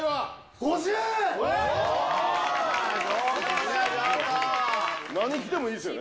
５０！何来てもいいですよね？